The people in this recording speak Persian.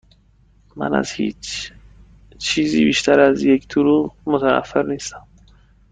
از هیچ چیزی بیشتر از یک دروغگو متنفر نیستم.